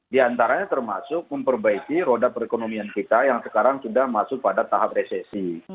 di antaranya termasuk memperbaiki roda perekonomian kita yang sekarang sudah masuk pada tahap resesi